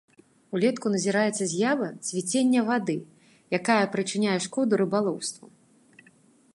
Улетку назіраецца з'ява цвіцення вады, якая прычыняе шкоду рыбалоўству.